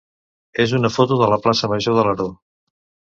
és una foto de la plaça major d'Alaró.